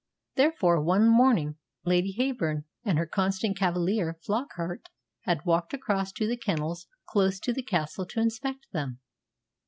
Therefore, one morning Lady Heyburn and her constant cavalier, Flockart, had walked across to the kennels close to the castle to inspect them.